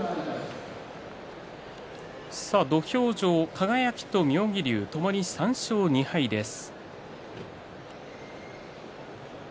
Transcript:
土俵上は輝と妙義龍ともに３勝２敗です。